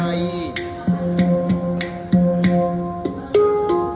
สวัสดีครับสวัสดีครับสวัสดีครับ